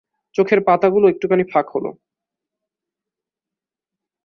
চোখের পাতাগুলো একটুখানি ফাঁক হল।